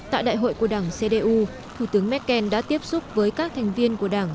tại đại hội của đảng cdu thủ tướng merkel đã tiếp xúc với các thành viên của đảng